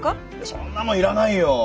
そんなもんいらないよ。